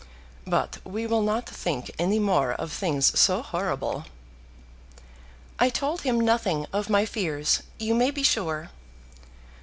But we will not think any more of things so horrible." "I told him nothing of my fears, you may be sure."